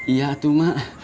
iya itu mak